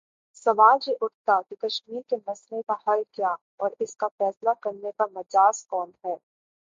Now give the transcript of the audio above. سوال یہ اٹھتا کہ کشمیر کے مسئلے کا حل کیا اور اس کا فیصلہ کرنے کا مجاز کون ہے؟